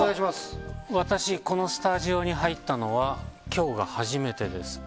私、このスタジオに入ったのは今日が初めてです。